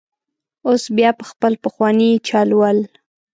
اوس بیا په خپل پخواني چل ول.